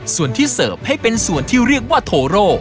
ส่วนที่เสิร์ฟให้เป็นส่วนที่เรียกว่าโทโร่